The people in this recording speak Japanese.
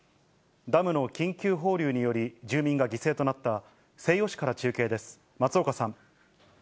ダムの緊急放流により住民が犠牲となった西予市から中継です。